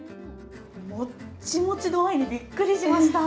もっちもちでびっくりしました。